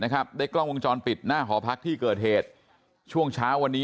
ได้กล้องวงจรปิดหน้าหอพักที่เกิดเหตุช่วงเช้าวันนี้